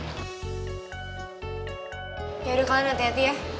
yaudah kalian hati hati ya